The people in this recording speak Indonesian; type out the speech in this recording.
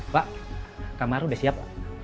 pak kamar udah siap